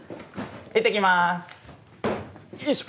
いってきますよいしょ。